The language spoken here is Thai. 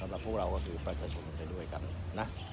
สำหรับพวกเราก็คือเป็นประชุมในด้วยกันนะ